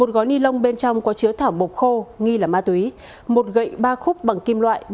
một gói ni lông bên trong có chứa thảo mộc khô nghi là ma túy một gậy ba khúc bằng kim loại